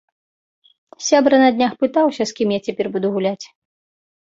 Сябра на днях пытаўся, з кім я цяпер буду гуляць.